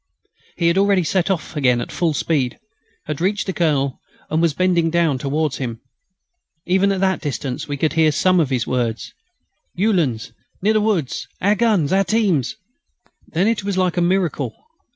He had already set off again at full speed, had reached the Colonel, and was bending down towards him. Even at that distance we could hear some of his words: "Uhlans ... near the woods, ... our guns, our teams...." Then it was like a miracle.